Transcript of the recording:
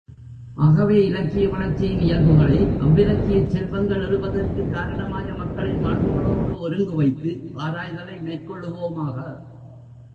ஆகவே, இலக்கிய வளர்ச்சியின் இயல்புகளை, அவ்விலக்கியச் செல்வங்கள் எழுவதற்குக் காரணமாய மக்களின் மாண்புகளோடு ஒருங்கு வைத்து ஆராய்தலை மேற்கொள்ளுவோமாக.